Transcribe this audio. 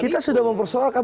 kita sudah mempersoalkan